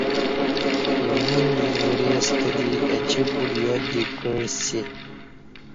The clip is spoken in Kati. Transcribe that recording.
ایمو وری ستہ دی اچی کوٹ یاد دی کعسی